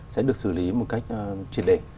sẽ được xử lý một cách triệt lệ